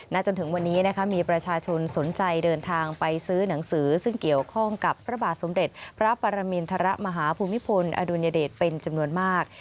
จนถึงวันนี้นะคะมีประชาชนสนใจเดินทางไปซื้อหนังสือซึ่งเกี่ยวข้องกับพระบาทสมเด็จพระปรมินทรมาฮภูมิพลอดุลยเดชเป็นจำนวนมาก